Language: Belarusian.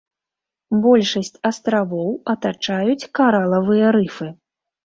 Большасць астравоў атачаюць каралавыя рыфы.